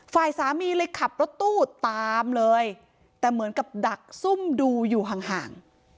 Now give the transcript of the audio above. ฝ่ายสามีเลยขับรถตู้ตามเลยแต่เหมือนกับดักซุ่มดูอยู่ห่าง